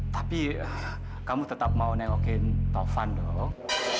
tapi kamu tetap mau nengokin taufan dong